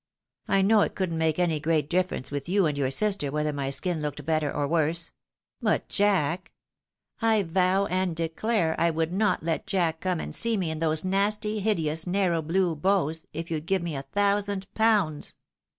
I know it couldn't make any great difference with you and your sister whether my skin looked better or worse ;— ^but Jack ! I vow and declare I would not let Jack come and see me in those nasty, hideous, narrow blue bows, if you'd give me a thousand pounds